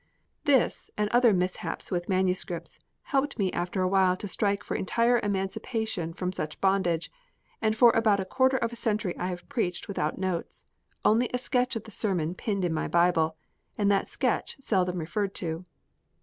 This and other mishaps with manuscripts helped me after a while to strike for entire emancipation from such bondage, and for about a quarter of a century I have preached without notes only a sketch of the sermon pinned in my Bible, and that sketch seldom referred to.